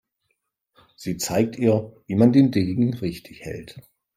Sie zeigt ihr, wie man den Degen richtig hält.